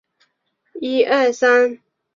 物业权现由市建局与嘉华国际集团共同拥有。